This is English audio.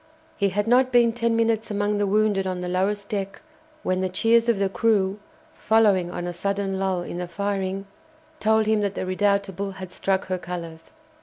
He had not been ten minutes among the wounded on the lowest deck when the cheers of the crew, following on a sudden lull in the firing, told him that the "Redoutable" had struck her colours.